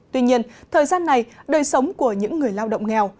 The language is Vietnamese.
tuy nhiên thời gian này đời sống của những người lao động nghèo